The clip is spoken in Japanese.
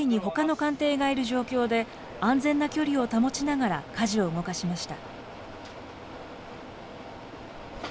この日は周囲にほかの艦艇がいる状況で、安全な距離を保ちながらかじを動かしました。